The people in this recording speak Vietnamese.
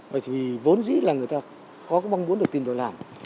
vậy thì vốn dĩ là người ta có mong muốn được tìm được làm